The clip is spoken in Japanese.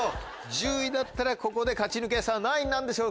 １０位だったらここで勝ち抜けさぁ何位なんでしょうか？